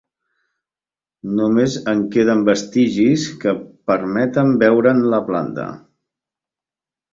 Només en queden vestigis que permeten veure'n la planta.